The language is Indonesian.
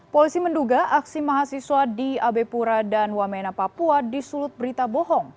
polisi menduga aksi mahasiswa di abe pura dan wamena papua disulut berita bohong